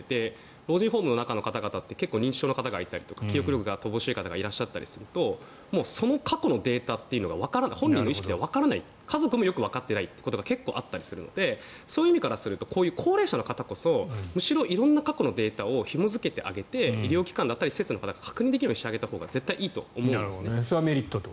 老人ホームの中の方って結構、認知症の方がいたり記憶力の乏しい方がいらっしゃったりするとその過去のデータというのが本人の意識ではわからない家族もよくわかっていないことが結構あったりするのでそういう意味からすると高齢者の方こそむしろ色んな過去のデータをひも付けてあげて医療機関、施設の方が確認できるようにしてあげたほうがそれはメリットと。